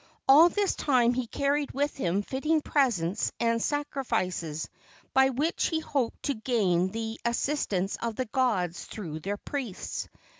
All this time he carried with him fitting presents and sacrifices, by which he hoped to gain the assist¬ ance of the gods through their priests.